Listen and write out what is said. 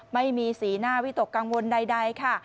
ไม่มีสีหน้าวิตกกังวลใดค่ะ